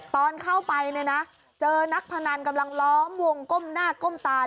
ตอนเข้าไปเนี่ยนะเจอนักพนันกำลังล้อมวงก้มหน้าก้มตา